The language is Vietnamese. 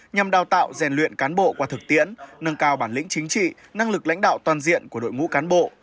nhằm đào tạo rèn luyện cán bộ qua thực tiễn nâng cao bản lĩnh chính trị năng lực lãnh đạo toàn diện của đội ngũ cán bộ